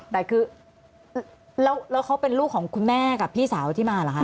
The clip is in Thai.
แต่คือแล้วเขาเป็นลูกของคุณแม่กับพี่สาวที่มาเหรอคะ